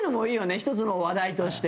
１つの話題として。